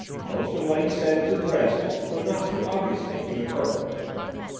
Most of what he said was addressed, though not too obviously, to the Colonel.